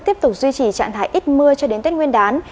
tiếp tục duy trì trạng thái ít mưa cho đến tết nguyên đán